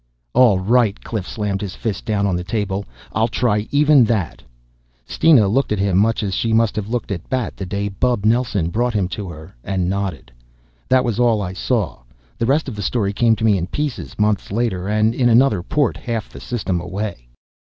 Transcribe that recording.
"All right!" Cliff slammed his fist down on the table. "I'll try even that!" Steena looked at him, much as she must have looked at Bat the day Bub Nelson brought him to her, and nodded. That was all I saw. The rest of the story came to me in pieces, months later and in another port half the System away.